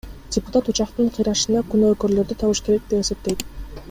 Депутат учактын кыйрашына күнөөкөрлөрдү табыш керек деп эсептейт.